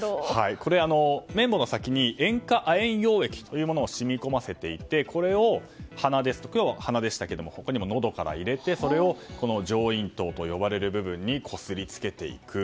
これは綿棒の先に塩化亜鉛溶液というものを染み込ませていてこれを今日は鼻でしたけど他にものどから入れてそれを上咽頭と呼ばれる部分にこすりつけていく。